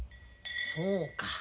そうか。